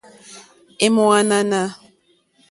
È mò ànànà.